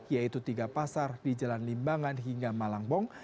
yaitu tiga pasar di jalan limbangan hingga malangbong